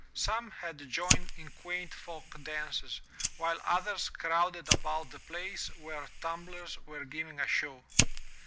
Some had joined in quaint folk dances, while others crowded about the place where timiblers were giving a show.